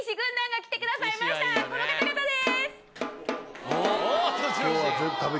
この方々です！